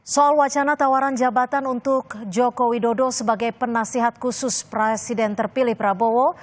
soal wacana tawaran jabatan untuk joko widodo sebagai penasihat khusus presiden terpilih prabowo